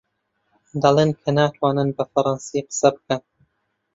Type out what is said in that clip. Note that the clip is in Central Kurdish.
دەڵێن کە ناتوانن بە فەڕەنسی قسە بکەن.